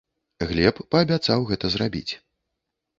Глеб паабяцаў гэта зрабіць.